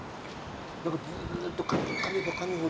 何かずっとかめばかむほど。